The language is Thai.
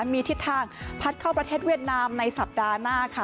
มีทิศทางพัดเข้าประเทศเวียดนามในสัปดาห์หน้าค่ะ